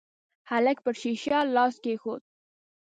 هلک پر شيشه لاس کېښود.